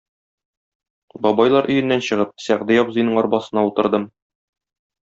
Бабайлар өеннән чыгып, Сәгъди абзыйның арбасына утырдым.